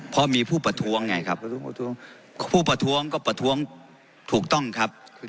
เพราะมีผู้ประท้วงไงครับผู้ประท้วงก็ประท้วงถูกต้องครับ